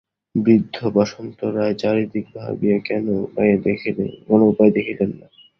বৃদ্ধ বসন্ত রায় চারিদিক ভাবিয়া কোনো উপায় দেখিলেন না।